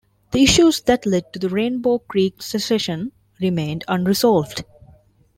The issues that led to the Rainbow Creek secession remain unresolved.